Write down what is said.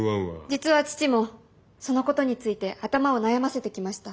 実は父もそのことについて頭を悩ませてきました。